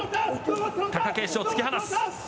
貴景勝、突き放す。